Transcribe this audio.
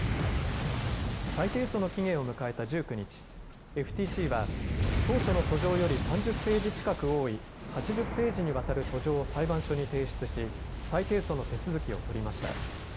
再提訴の期限を迎えた１９日、ＦＴＣは当初の訴状より３０ページ近く多い８０ページにわたる訴状を裁判所に提出し再提訴の手続きを取りました。